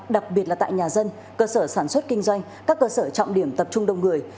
đặc biệt là tại nhà dân cơ sở sản xuất kinh doanh các cơ sở trọng điểm tập trung đông người